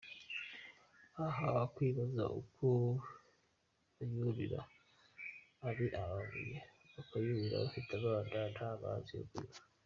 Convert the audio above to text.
Aha wakwibaza uko bayurira ari amabuye, bakayurira bafite abana, nta mazi yo kunywa.